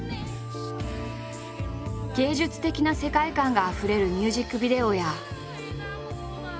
芸術的な世界観があふれるミュージックビデオや。